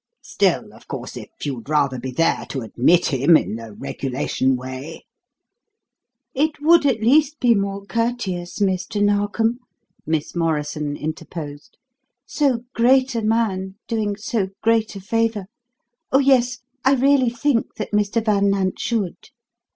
Still, of course, if you'd rather be there to admit him in the regulation way " "It would at least be more courteous, Mr. Narkom," Miss Morrison interposed. "So great a man doing so great a favour Oh, yes, I really think that Mr. Van Nant should."